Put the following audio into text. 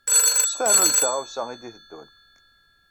Sfehmem-d taɣawsa i d-iteddun.